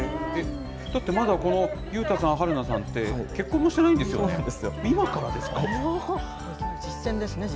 だってまだ、このゆうたさん、はるなさんって、結婚もしてないんですよね？